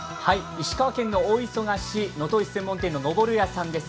石川県の大忙し、能登牛専門店の登るやさんです。